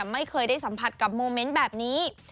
ไม่เคยได้สัมผัสกับโมเมนต์แบบนี้